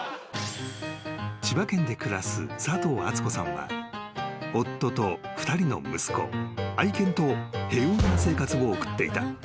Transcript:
［千葉県で暮らす佐藤敦子さんは夫と２人の息子愛犬と平穏な生活を送っていた］